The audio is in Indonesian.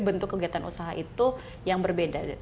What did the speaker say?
bentuk kegiatan usaha itu yang berbeda